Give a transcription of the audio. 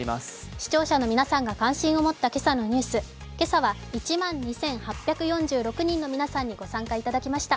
視聴者の皆さんが関心を持った今朝のニュース、今朝は１万２８４６人の方に参加していただきました